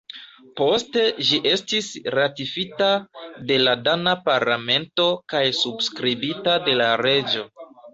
Poste ĝi estis ratifita de la dana parlamento kaj subskribita de la reĝo.